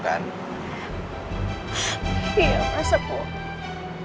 kamu terserah tipu kan